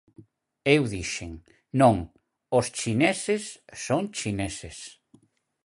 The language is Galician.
Eu dixen: non, os chineses son chineses.